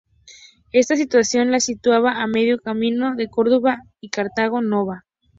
Esta situación la situaba a medio camino de Corduba y Cartago Nova.